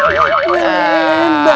pokoknya maksudnya wolf